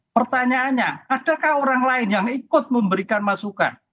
pertanyaannya adakah orang lain yang ikut memberikan masukan